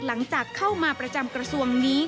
หลังจากเข้ามาประจำกระทรวงนี้